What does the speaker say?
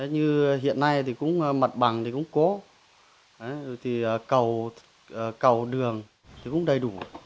như hiện nay thì mặt bằng cũng có cầu đường cũng đầy đủ